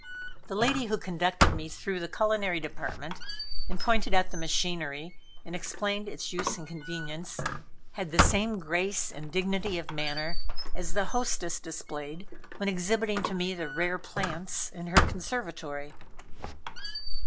The lady who conducted me through the culinary department, and pointed out the machinery and explained its use and convenience, had the same grace and dignity of manner as the hostess displayed when exhibiting to me the rare plants in her conservatory.